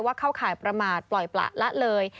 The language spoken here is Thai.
เข้าข่ายประมาทปล่อยประละเลย